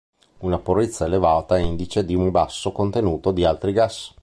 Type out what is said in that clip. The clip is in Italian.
Una purezza elevata è indice di un basso contenuto di altri gas.